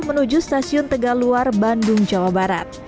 menuju stasiun tegaluar bandung jawa barat